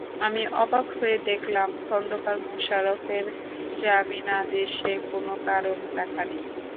আমি অবাক হয়ে দেখলাম, খন্দকার মোশাররফের জামিনাদেশে কোনো কারণ লেখা নেই।